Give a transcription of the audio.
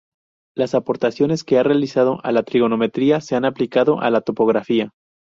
Las aportaciones que ha realizado a la trigonometría se han aplicado a la topografía.